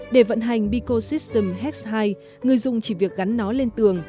để vận hành bicosystem x hai người dùng chỉ việc gắn nó lên tường